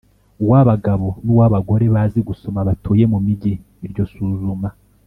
w abagabo n uw abagore bazi gusoma batuye mu migi Iryo suzuma